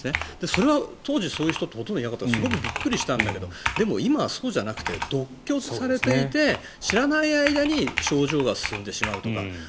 それは当時、そういう人ってほとんどいなくてびっくりしたんだけど今はそうじゃなくて独居されていて知らない間に症状が進んでしまうとか。